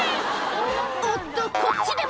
おっとと、こっちでも。